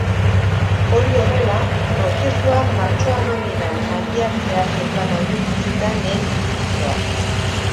Hori horrela, prozesua martxo amaieran abiatzea zeukan aurreikusita lehen ministroak.